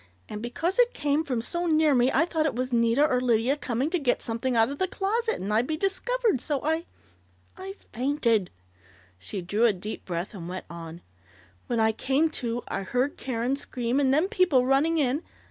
and because it came from so near me I thought it was Nita or Lydia coming to get something out of the closet, and I'd be discovered, so I I fainted " She drew a deep breath and went on: "When I came to I heard Karen scream, and then people running in